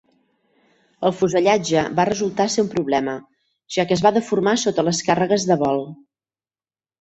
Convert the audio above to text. El fusellatge va resultar ser un problema, ja que es va deformar sota les càrregues de vol.